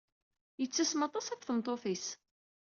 Yettasem aṭas ɣef tmeṭṭut-is.